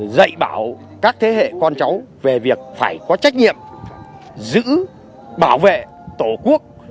dạy bảo các thế hệ con cháu về việc phải có trách nhiệm giữ bảo vệ tổ quốc